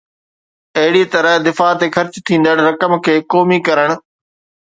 اهڙيءَ طرح دفاع تي خرچ ٿيندڙ رقم کي قومي ڪرڻ